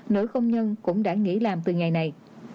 nữ công nhân cũng đã nghỉ làm từ ngày này